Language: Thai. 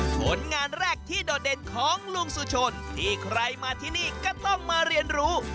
ผลงานแรกที่โดดเด่นของลุงสุชนที่ใครมาที่นี่ก็ต้องมาเรียนรู้